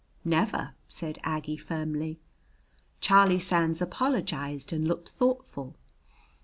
"Never," said Aggie firmly. Charlie Sands apologized and looked thoughtful.